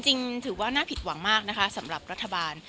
จริงถือว่าน่าผิดหวังมากนะคะสำหรับรัฐบาล